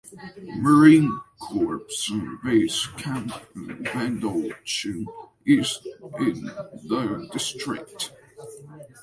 Marine Corps Base Camp Pendleton is in the district.